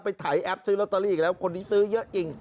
ถ่ายแอปซื้อลอตเตอรี่อีกแล้วคนนี้ซื้อเยอะจริง